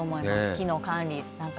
木の管理。